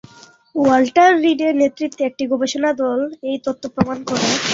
Walter রিডের নেতৃত্বে একটি গবেষণা দল এই তত্ত্ব প্রমাণ করে।